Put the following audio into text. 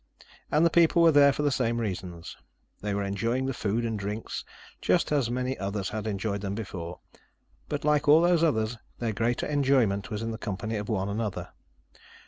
And the people were there for the same reasons. They were enjoying the food and drinks, just as many others had enjoyed them before. But like all those others, their greater enjoyment was in the company of one another.